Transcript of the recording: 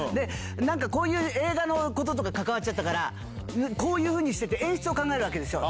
なんかこういう映画のこととか関わっちゃったから、こういうふうにしてて、演出を考えるわけですよ。